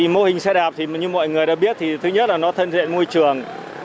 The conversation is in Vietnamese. mô hình xe đạp như mọi người đã biết thứ nhất là nó thân diện môi trường